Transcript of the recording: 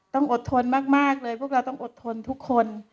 ต้องอดทนมากเลยพวกเราต้องอดทนทุกคน